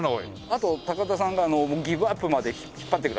あと高田さんがギブアップまで引っ張ってください。